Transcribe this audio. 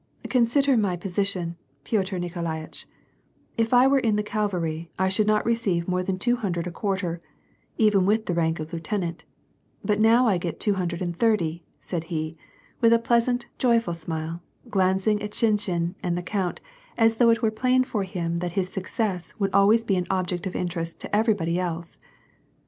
" Consider my position, Piotr Nikolaitch : if I were in the cavalry I should not receive more than two hundred a quarter, even with the rank of lieutenant, but now I get two hundred and thirty," said he, with a pleasant, joyful smile, glancing at Shinshin and the count, as though it were plain for him that his success would always be an object of interest to everybody else.